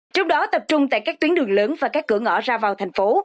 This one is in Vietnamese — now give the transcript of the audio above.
trong đó tập trung tại các tuyến đường lớn và các cửa ngõ ra vào thành phố